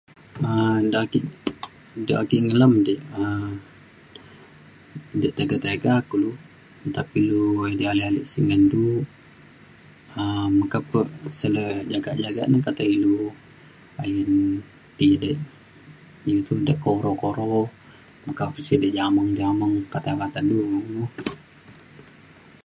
um nta ake ja ake ja ake nyelem di um de tiga tiga kulu nta pa ilu ida ale ale sek ngan du um meka pe sek jagak jagak na kata ilu. ayen ti de iu to ja kuro kuro meka pe sik de jameng jameng kata kata du kulu